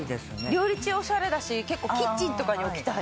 料理中オシャレだし結構キッチンとかに置きたい。